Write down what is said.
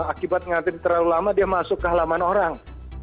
akibat mengantri terlalu lama dia masuk ke halaman orang